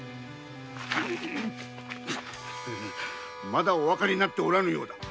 まだおわかりにならぬようだ。